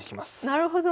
なるほど。